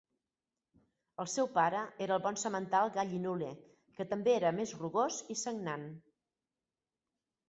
El seu pare era el bon semental, Gallinule que també era més rugós i sagnant.